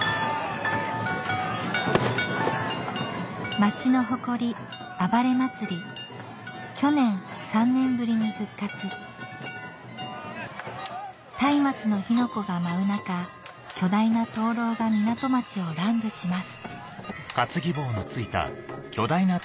町の誇り去年３年ぶりに復活たいまつの火の粉が舞う中巨大な燈籠が港町を乱舞します